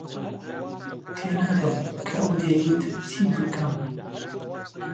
تێناگەم کە ئەو دەیەوێت چی بکەم.